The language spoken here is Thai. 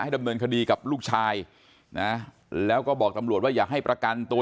ดำเนินคดีกับลูกชายนะแล้วก็บอกตำรวจว่าอย่าให้ประกันตัว